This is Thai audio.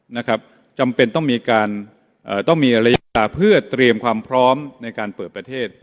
นะครับจำเป็นต้องมีการเอ่อต้องมีระยะเพื่อเตรียมความพร้อมในการเปิดประเทศ